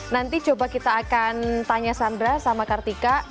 nanti coba kita akan tanya sandra sama kartika